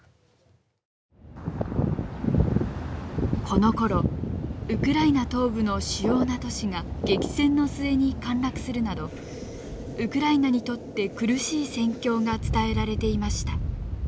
このころウクライナ東部の主要な都市が激戦の末に陥落するなどウクライナにとって苦しい戦況が伝えられていました。